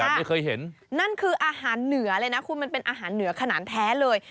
แต่ไม่เคยเห็นนั่นคืออาหารเหนือเลยนะคุณมันเป็นอาหารเหนือขนาดแท้เลย